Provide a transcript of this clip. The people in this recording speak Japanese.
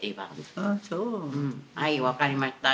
「はい分かりました」